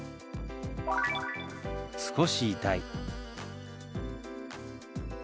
「少し痛い」。